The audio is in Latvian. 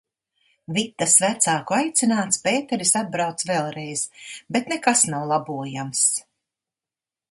Vitas vecāku aicināts Pēteris atbrauc vēlreiz, bet nekas nav labojams.